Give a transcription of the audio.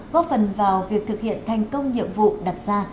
góp phần vào việc thực hiện thành công nhiệm vụ đặt ra